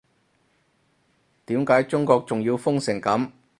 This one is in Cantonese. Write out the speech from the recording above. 點解中國仲要封成噉